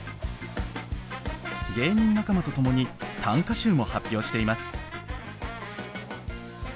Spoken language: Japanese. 芸人仲間と共に短歌集も発表しています。